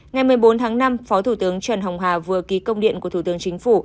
ngày một mươi bốn tháng năm phó thủ tướng trần hồng hà vừa ký công điện của thủ tướng chính phủ